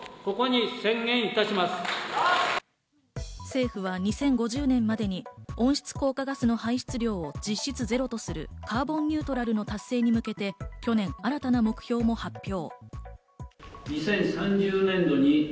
政府は２０５０年までに温室効果ガスの排出量を実質ゼロとするカーボンニュートラルの達成に向けて、去年新たな目標も発表。